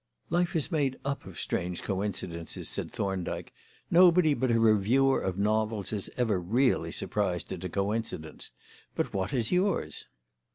"Life is made up of strange coincidences," said Thorndyke. "Nobody but a reviewer of novels is ever really surprised at a coincidence. But what is yours?"